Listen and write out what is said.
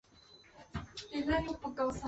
叶梦得。